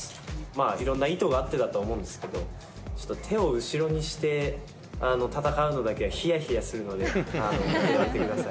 いろんな意図があってだと思うんですけど、ちょっと手を後ろにして戦うのだけはひやひやするので、本当やめてください。